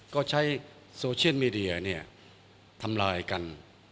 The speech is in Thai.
ก็ใช้โซเชียลมีเดียทำลายกัน